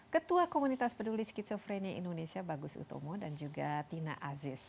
ketua komunitas peduli skizofrenia indonesia bagus utomo dan juga tina aziz